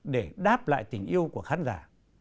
để đáp lại tình yêu của khán giả